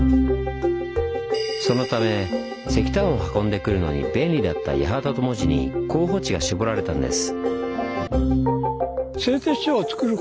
そのため石炭を運んでくるのに便利だった八幡と門司に候補地が絞られたんです。